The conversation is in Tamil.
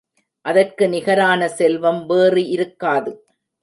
அதற்கு நிகரான செல்வம் வேறு இருக்காது.